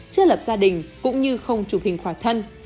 chưa lập gia đình cũng như không chụp hình khỏa thân